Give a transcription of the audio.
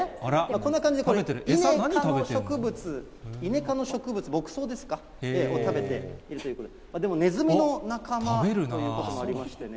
こんな感じで、イネ科の植物、イネ科の植物、牧草ですか、食べているということで、でも、ネズミの仲間ということもありましてね。